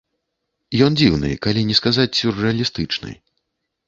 Ён дзіўны, калі не сказаць сюррэалістычны.